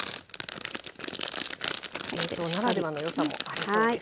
冷凍ならではの良さもありそうです。